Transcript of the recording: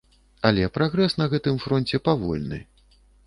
Але прагрэс на гэтым фронце павольны.